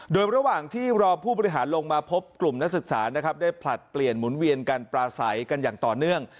โดยระหว่างที่รอผู้บริหารลงมาพบกลุ่มนักศึกษานะครับได้ผลัดเปลี่ยนหมุนเวียนกันปลาใสกันอย่างต่อเนื่อง